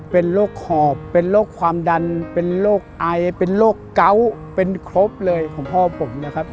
เป็นโรคหอบเป็นโรคความดันเป็นโรคไอเป็นโรคเกาะเป็นครบเลยของพ่อผมนะครับ